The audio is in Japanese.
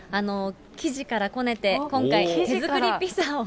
生地からこねて、今回、手作りピザを。